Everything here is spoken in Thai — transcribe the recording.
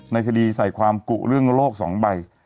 ในคดีใส่ความกุเรื่องโลก๒ใบ